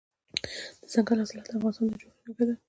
دځنګل حاصلات د افغانستان د ځمکې د جوړښت نښه ده.